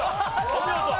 お見事！